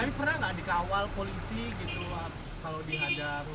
tapi pernah nggak dikawal polisi gitu kalau dihadang